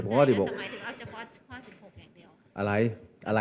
วิการิมตรงนี้ต้องเขาคงไปถึงการเลือกการตั้ง